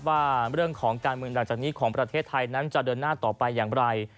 ว่าเรื่องของการเมืองหลังจากนี้ของประเทศไทยนั้นจะเดินหน้าต่อไปอย่างไร